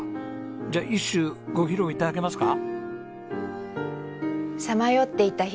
じゃあ一首ご披露頂けますか？